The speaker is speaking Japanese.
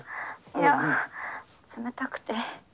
いや冷たくて。